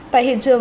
tại hiện trường